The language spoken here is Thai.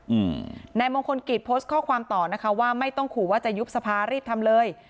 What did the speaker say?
อืมนายมงคลกิจโพสต์ข้อความต่อนะคะว่าไม่ต้องขู่ว่าจะยุบสภารีบทำเลย